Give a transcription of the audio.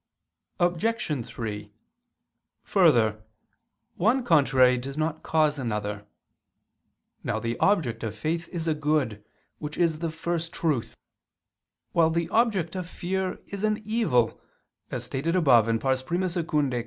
Obj. 3: Further, one contrary does not cause another. Now the object of faith is a good, which is the First Truth, while the object of fear is an evil, as stated above (I II, Q.